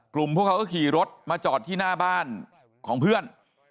พวกเขาก็ขี่รถมาจอดที่หน้าบ้านของเพื่อน